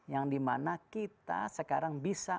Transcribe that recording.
yang dimana kita sekarang bisa